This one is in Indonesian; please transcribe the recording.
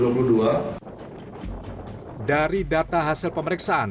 dari data hasil pemeriksaan